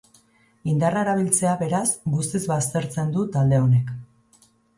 Indarra erabiltzea, beraz, guztiz baztertzen du talde honek.